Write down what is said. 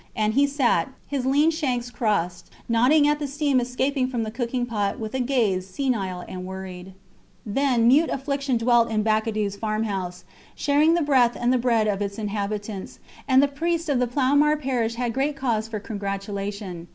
And he sat, his lean shanks crossed, nodding at the steam escaping from the cooking pot with a gaze senile and worried. Then mute affliction dwelt in Bacadous farmhouse, sharing the breath and the bread of its inhabitants; and the priest of the Ploumar parish had great cause for congratulation.